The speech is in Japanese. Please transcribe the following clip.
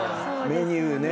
メニューね。